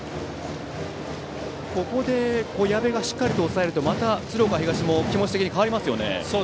ここで矢部がしっかりと抑えるとまた鶴岡東も気持ち的に変わりますよね。